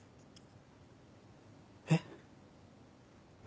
えっ？